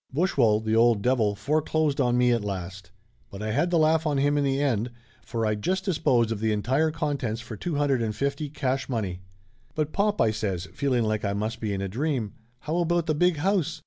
"Bushwell, the old devil, foreclosed on me at last. But I had the laugh on him in the end, for. I' disposed of the entire contents for two hundred and fifty cash money." "But, pop !" I says, feeling like I must be in a dream. "How about the big house?